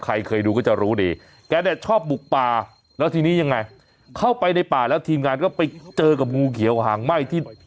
ใครเคยดูก็จะรู้ดีแกเนี่ยชอบบุกป่าแล้วทีนี้ยังไงเข้าไปในป่าแล้วทีมงานก็ไปเจอกับงูเขียวหางไหม้ที่